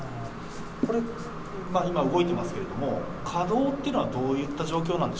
これ、今動いてますけれども、稼働っていうのはどういった状況